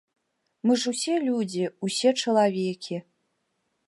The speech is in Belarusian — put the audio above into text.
Мы ж усе людзі, усе чалавекі.